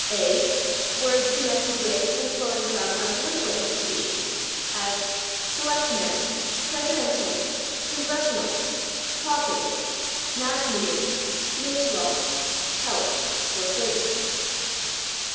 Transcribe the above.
a. Words "connected with and flowing from our political institutions," as /selectman/, /presidential/, /congressional/, /caucus/, /mass meeting/, /lynch law/, /help/ (for /servants